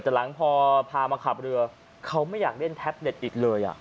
แต่หลังพอพามาขับเรือเขาไม่อยากเล่นแท็บเล็ตอีกเลย